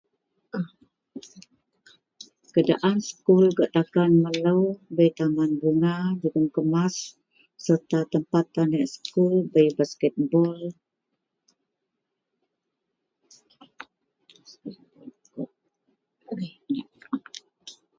kerajaan sekul gak takan melou bei taman bungaih jegem kemas serta tempat aneak sekul bei basketball...